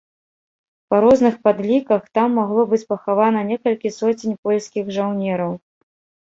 Па розных падліках, там магло быць пахавана некалькі соцень польскіх жаўнераў.